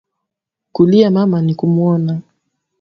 Kulia mama ni kumuona